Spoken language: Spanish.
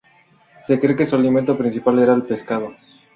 Se cree que su alimento principal era el pescado.